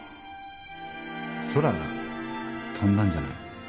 空飛んだんじゃない？